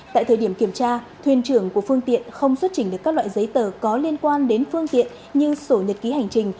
tại thời điểm kiểm tra thuyền trưởng của phương tiện không xuất trình được các loại giấy tờ có liên quan đến phương tiện như sổ nhật ký hành trình